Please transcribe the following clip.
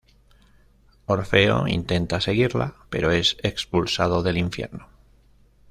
Orfeo intenta seguirla, pero es expulsado del infierno.